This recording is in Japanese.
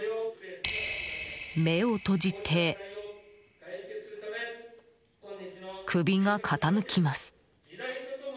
目を閉じて、首が傾きます。